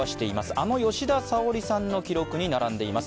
あの吉田沙保里さんの記録に並んでいます。